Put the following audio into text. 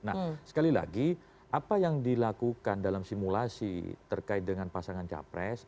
nah sekali lagi apa yang dilakukan dalam simulasi terkait dengan pasangan capres